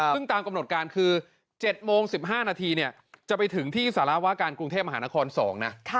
ซึ่งตามกำหนดการคือ๗โมง๑๕นาทีจะไปถึงที่สารวาการกรุงเทพมหานคร๒นะ